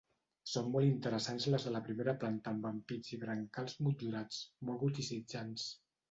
Són molt interessants les de la primera planta amb ampits i brancals motllurats, molt goticitzants.